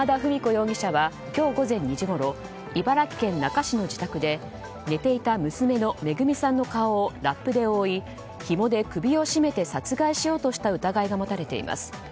容疑者は今日午前２時ごろ茨城県那珂市の自宅で寝ていた娘のめぐみさんの顔をラップで覆いひもで首を絞めて殺害しようとした疑いが持たれています。